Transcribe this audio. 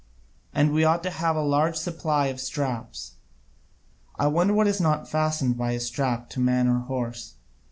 And we ought to have a large supply of straps I wonder what is not fastened by a strap to man or horse?